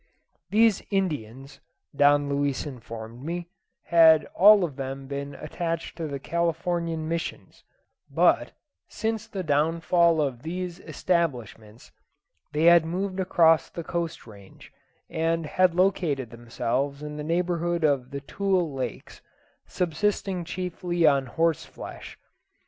These Indians, Don Luis informed me, had all of them been attached to the Californian Missions; but, since the downfall of these establishments, they had moved across the coast range, and had located themselves in the neighbourhood of the Tule Lakes, subsisting chiefly on horseflesh.